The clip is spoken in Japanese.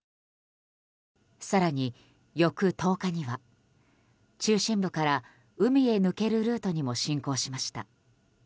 更に翌１０日には中心部から海へ抜けるルートにも侵攻しました。